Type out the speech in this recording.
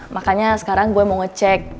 makanya sekarang gue mau ngecek